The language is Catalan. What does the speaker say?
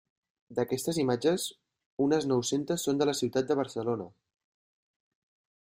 D'aquestes imatges, unes nou-centes són de la ciutat de Barcelona.